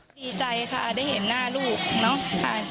ดีใจค่ะได้เห็นหน้าลูกเนาะ